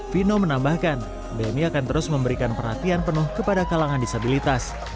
vino menambahkan bmi akan terus memberikan perhatian penuh kepada kalangan disabilitas